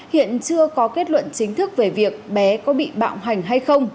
hiện chưa có kết luận chính thức về việc bé có bị bạo hành hay không